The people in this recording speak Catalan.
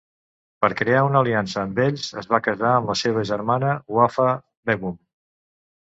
Per crear una aliança amb ells, es va casar amb la seva germana Wa'fa Begum.